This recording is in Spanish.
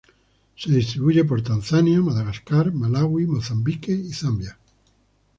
Se distribuye por Tanzania, Madagascar, Malaui, Mozambique y Zambia.